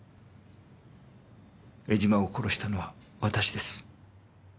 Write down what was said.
江島を殺したのは私です。